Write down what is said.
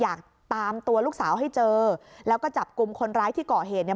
อยากตามตัวลูกสาวให้เจอแล้วก็จับกลุ่มคนร้ายที่ก่อเหตุเนี่ย